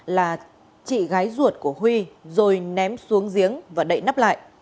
là chị gái ruột của huy rồi ném xuống giếng và đậy nắp lại